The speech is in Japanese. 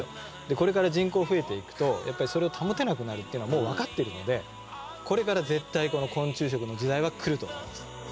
これから人口増えていくとやっぱりそれを保てなくなるというのはもう分かっているのでこれから絶対この昆虫食の時代は来ると思います。